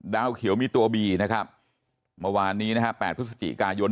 เขียวมีตัวบีนะครับเมื่อวานนี้นะฮะ๘พฤศจิกายน